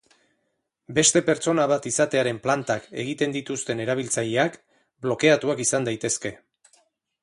Beste pertsona bat izatearen plantak egiten dituzten erabiltzaileak blokeatuak izan daitezke.